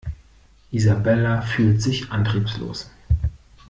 Isabella fühlt sich antriebslos.